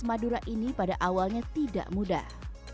madura ini pada awalnya tidak mudah